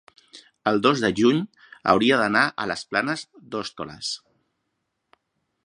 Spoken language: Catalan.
el dos de juny hauria d'anar a les Planes d'Hostoles.